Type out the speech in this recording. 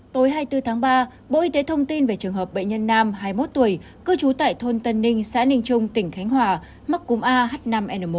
tối hai mươi bốn tháng ba bộ y tế thông tin về trường hợp bệnh nhân nam hai mươi một tuổi cư trú tại thôn tân ninh xã ninh trung tỉnh khánh hòa mắc cúm ah năm n một